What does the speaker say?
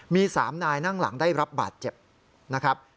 มี๓นายนั่งหลังได้รับบาดเจ็บนะครับ